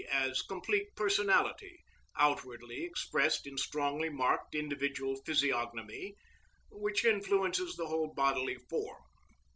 _, as complete personality, outwardly expressed in strongly marked individual physiognomy, which influences the whole bodily form.